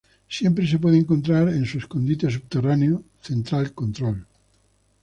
Siempre se puede encontrar en su escondite subterráneo, "Central Control.